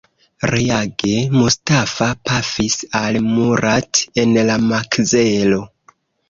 Reage, Mustafa pafis al Murat en la makzelo.